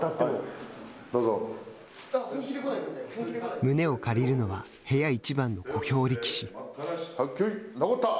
胸を借りるのは部屋いちばんの小兵力士。